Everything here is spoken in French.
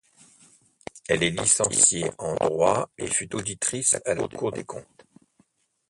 Elle est licenciée en droit et fut auditrice à la Cour des comptes.